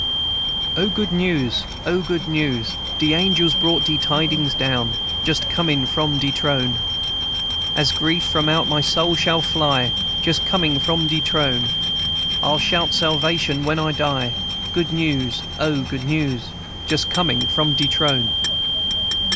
"O, good news! O, good news! De angels brought de tidings down, Just comin' from de trone. "As grief from out my soul shall fly, Just comin' from de trone; I'll shout salvation when I die, Good news, O, good news! Just comin' from de trone.